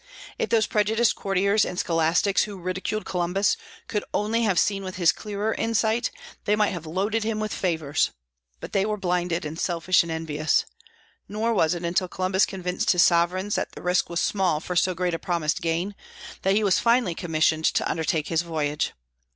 If those prejudiced courtiers and scholastics who ridiculed Columbus could only have seen with his clearer insight, they might have loaded him with favors. But they were blinded and selfish and envious. Nor was it until Columbus convinced his sovereigns that the risk was small for so great a promised gain, that he was finally commissioned to undertake his voyage.